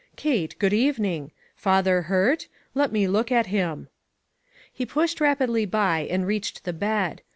Kate, good even ing; father hurt? Let me look at him!" He pushed rapidly by and reached the bed.